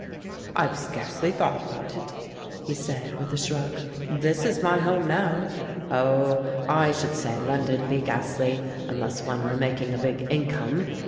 "I've scarcely thought about it," he said, with a shrug; "this is my home now. Oh, I should say London'd be ghastly — unless one were mak ing a big income.